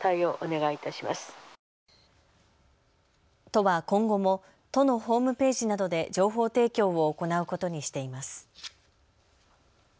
都は今後も都のホームページなどで情報提供を行うことにしています。